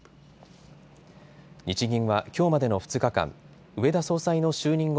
日銀はきょうまでの２日間、植田総裁の就任後